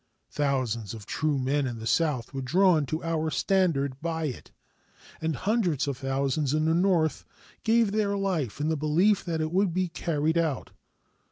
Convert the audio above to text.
Thousands of true men in the South were drawn to our standard by it, and hundreds of thousands in the North gave their lives in the belief that it would be carried out.